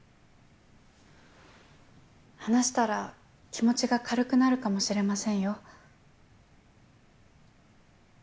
話したら気持ちが軽くなるかもしれませんよ。